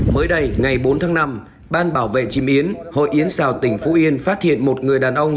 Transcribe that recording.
mới đây ngày bốn tháng năm ban bảo vệ chim yến hội yến xào tỉnh phú yên phát hiện một người đàn ông